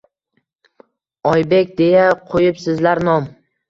Oybek deya qo’yibsizlar nom.